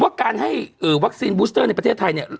ว่าการให้วัคซีนบูสเตอร์ในประเทศไทยเนี่ย